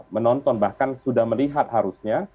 menonton bahkan sudah melihat harusnya